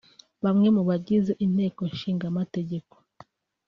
Bamwe mu bagize Inteko Ishinga Amategeko